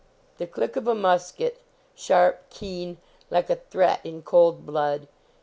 The click of a musket, sharp, keen; like a threat in cold blood!